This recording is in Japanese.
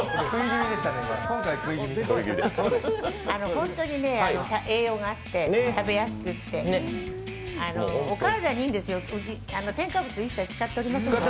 本当に栄養があって食べやすくてお体にいいんですよ、うち、添加物一切使っていませんから。